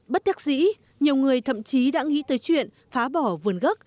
bất đắc dĩ nhiều người thậm chí đã nghĩ tới chuyện phá bỏ vườn gốc